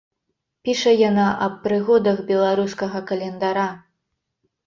Піша яна аб прыгодах беларускага календара.